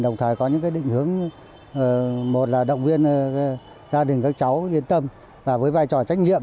đồng thời có những định hướng một là động viên gia đình các cháu yên tâm và với vai trò trách nhiệm